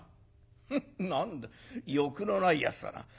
「何だ欲のないやつだな。